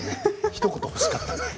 ひと言ほしかったと。